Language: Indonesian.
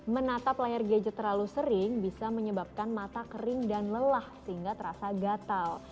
menatap layar gadget terlalu sering bisa menyebabkan mata kering dan lelah sehingga terasa gatal